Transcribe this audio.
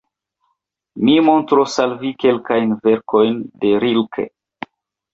Mi montros al vi kelkajn verkojn de Rilke.